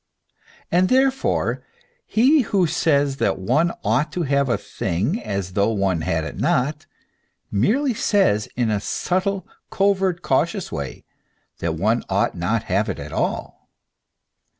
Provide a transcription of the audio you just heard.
And therefore he who says, that one ought to have a thing as though one had it not, merely says in a subtle, covert, cautious way, that one ought not to have it at all.